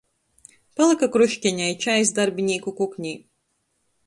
Palyka kruškeņa i čajs darbinīku kuknē.